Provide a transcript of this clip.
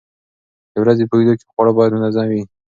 د ورځې په اوږدو کې خواړه باید منظم وي.